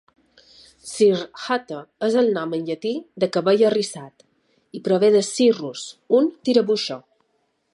"Cirrhata" és el nom en llatí de "cabell arrissat" i prové de "cirrus", un tirabuixó.